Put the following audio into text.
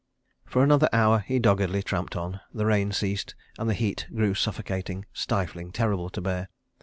For another hour he doggedly tramped on. The rain ceased, and the heat grew suffocating, stifling, terrible to bear.